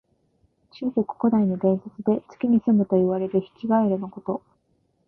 中国古代の伝説で、月にすむといわれるヒキガエルのこと。